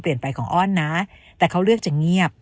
เปลี่ยนไปของอ้อนนะแต่เขาเลือกจะเงียบ